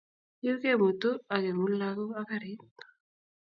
Yu kemutu ak kemut lagok ak garit